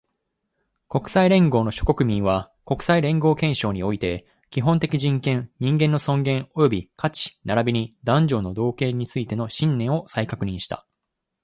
国際連合の諸国民は、国際連合憲章において、基本的人権、人間の尊厳及び価値並びに男女の同権についての信念を再確認した